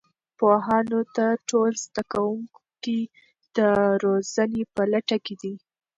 پوهانو ته ټول زده کوونکي د روزنې په لټه کې دي.